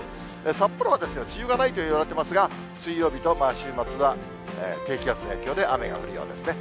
札幌は梅雨がないといわれていますが、水曜日と週末は、低気圧の影響で雨が降るようですね。